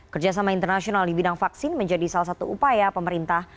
kerjasama internasional di bidang vaksin menjadi salah satu upaya pemerintah